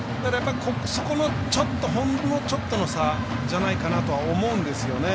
そこの、ほんのちょっとの差じゃないかなとは思うんですよね。